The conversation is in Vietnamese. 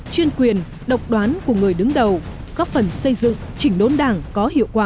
chuyên quyền độc đoán của người đứng đầu góp phần xây dựng chỉnh đốn đảng có hiệu quả